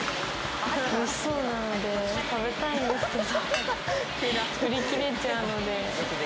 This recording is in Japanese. おいしそうなので食べたいんですけど、売り切れちゃうので。